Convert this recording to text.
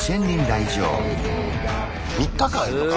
３日間やんのか。